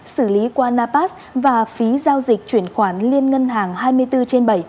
xử lý qua napas và phí giao dịch chuyển khoản liên ngân hàng hai mươi bốn trên bảy